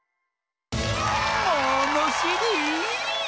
ものしり！